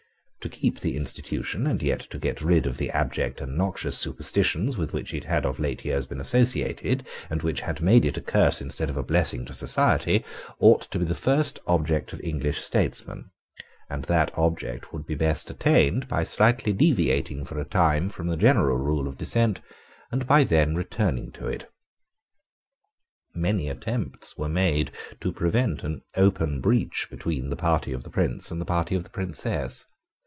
To keep the institution, and yet to get rid of the abject and noxious superstitions with which it had of late years been associated and which had made it a curse instead of a blessing to society, ought to be the first object of English statesmen; and that object would be best attained by slightly deviating for a time from the general rule of descent, and by then returning to it. Many attempts were made to prevent an open breach between the party of the Prince and the party of the Princess.